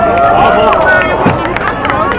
มีโอกาสมีโอกาสนะครับเดี๋ยวจะมาแบบนี้